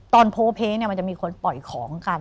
โพลเพเนี่ยมันจะมีคนปล่อยของกัน